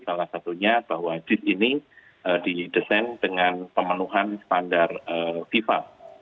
salah satunya bahwa jis ini didesain dengan pemenuhan standar fifa